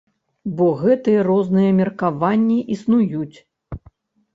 Бо гэтыя розныя меркаванні існуюць.